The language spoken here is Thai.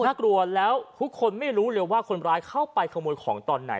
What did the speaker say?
น่ากลัวแล้วทุกคนไม่รู้เลยว่าคนร้ายเข้าไปขโมยของตอนไหน